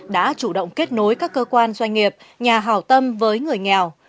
đã chủ động kết nối các cơ quan doanh nghiệp nhà hào tâm với người nghèo